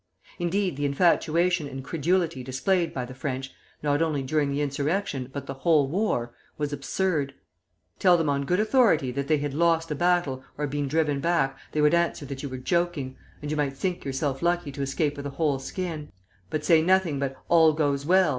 Indeed, the infatuation and credulity displayed by the French, not only during the insurrection, but the whole war, was absurd. Tell them on good authority that they had lost a battle or been driven back, they would answer that you were joking, and you might think yourself lucky to escape with a whole skin; but say nothing but 'All goes well!